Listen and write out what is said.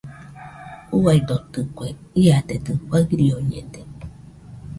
Uaidotɨkue, iadedɨ fairioñede.